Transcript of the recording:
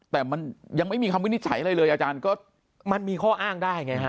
แต่มันยังไม่มีคำวินิจฉัยอะไรเลยอาจารย์ก็มันมีข้ออ้างได้ไงฮะ